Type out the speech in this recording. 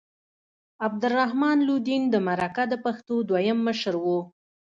عبدالرحمن لودین د مرکه د پښتو دویم مشر و.